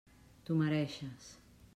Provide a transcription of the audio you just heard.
T'ho mereixes.